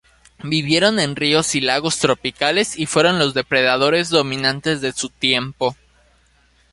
Vivieron en ríos y lagos tropicales y fueron los depredadores dominantes de su tiempo.